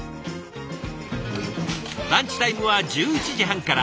ランチタイムは１１時半から。